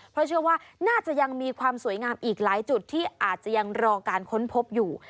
เพราะเชื่อว่าน่าจะยังมีความสวยงามอีกหลายจุดที่อาจจะยังรอการค้นพบอยู่